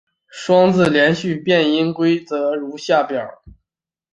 双字连读变音规则如下表。